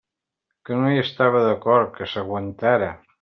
Que no hi estava d'acord..., que s'aguantara!